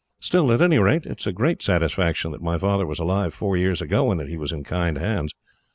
Still, at any rate, it is a great satisfaction that my father was alive four years ago, and that he was in kind hands.